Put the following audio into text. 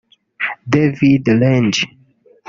David Lange